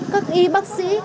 các y bác sĩ